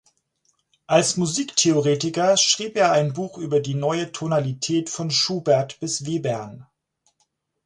Als Musiktheoretiker schrieb er ein Buch über "Die neue Tonalität von Schubert bis Webern.